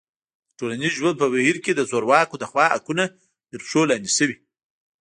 د ټولنیز ژوند په بهیر کې د زورواکو لخوا حقونه تر پښو لاندې شوي.